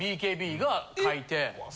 ＢＫＢが書いて。